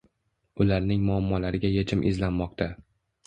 Ularning muammolariga yechim izlanmoqda.